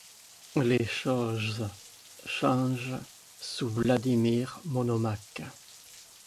Les choses changent sous Vladimir Monomaque.